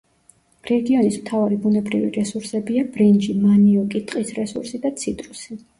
რეგიონის მთავარი ბუნებრივი რესურსებია: ბრინჯი, მანიოკი, ტყის რესურსი და ციტრუსი.